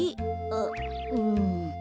あっうん。